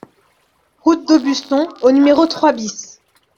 Route d'Aubusson au numéro trois BIS